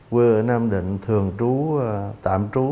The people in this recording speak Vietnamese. quê ở nam định thường trú tạm trú